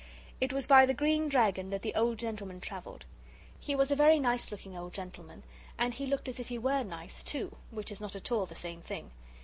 It was by the Green Dragon that the old gentleman travelled. He was a very nice looking old gentleman, and he looked as if he were nice, too, which is not at all the same thing.